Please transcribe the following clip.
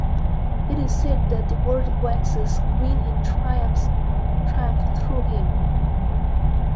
It is said that the world waxes green in triumph through him.